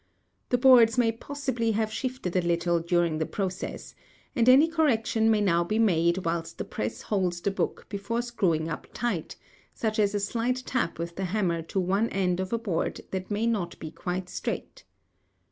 The boards may possibly have shifted a little during the process, and any correction may now be made whilst the press holds the book before screwing up tight, such as a slight tap with the hammer to one end of a board that may not be quite straight.